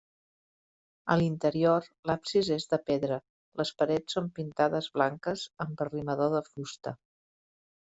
A l'interior l'absis és de pedra, les parets són pintades blanques amb arrimador de fusta.